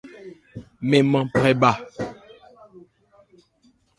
Mɛn nman phrɛ bha.